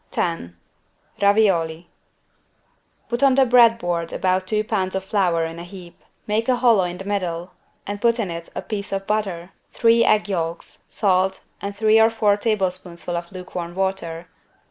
10 RAVIOLI Put on the bread board about two pounds of flour in a heap; make a hollow in the middle and put in it a piece of butter, three egg yolks, salt and three or four tablespoonfuls of lukewarm water.